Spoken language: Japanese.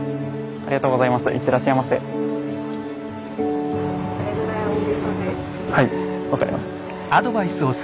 ありがとうございます。